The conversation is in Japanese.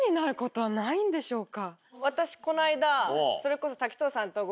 私この間それこそ。